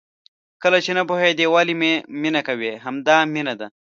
کله چې نه پوهېدې ولې مینه کوې؟ همدا مینه ده.